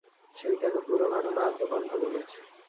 সেই তাকে পুরো ঘটনা আদ্যোপান্ত বলেছে।